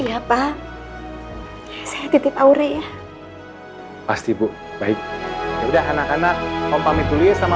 ya pak saya titip aurea pasti bu baik udah anak anak kompamin kuliah sama